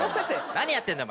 何やってんだ？